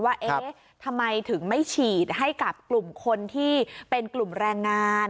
ว่าเอ๊ะทำไมถึงไม่ฉีดให้กับกลุ่มคนที่เป็นกลุ่มแรงงาน